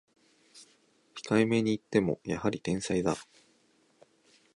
控えめに言ってもやはり天才だ